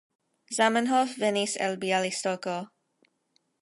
Zamenhof venis el Bjalistoko.